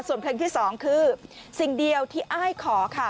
ส่วนเพลงที่๒คือสิ่งเดียวที่อ้ายขอค่ะ